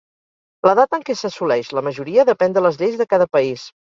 L'edat en què s'assoleix la majoria depèn de les lleis de cada país.